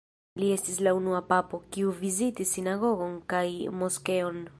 Li estis la unua papo, kiu vizitis sinagogon kaj moskeon.